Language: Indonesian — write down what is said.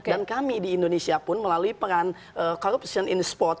dan kami di indonesia pun melalui peran corruption in sport